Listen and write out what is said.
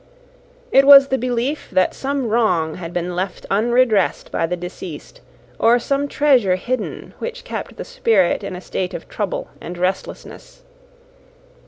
It was the belief that some wrong had been left unredressed by the deceased, or some treasure hidden, which kept the spirit in a state of trouble and restlessness.